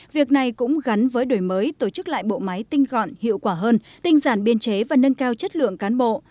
việc này cũng gắn với đổi mới tổ chức lại bộ máy tinh gọn hiệu quả hơn tinh giản biên chế và nâng cao chất lượng cán bộ